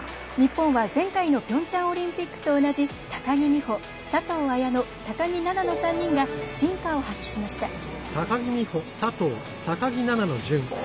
日本は前回のピョンチャンオリンピックと同じ高木美帆、佐藤綾乃、高木菜那の３人が真価を発揮しました。